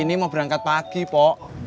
ini mau berangkat pagi po